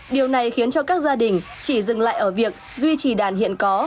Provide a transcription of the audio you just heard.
điều này khiến cho các gia đình chỉ dừng lại ở việc duy trì đàn hiện có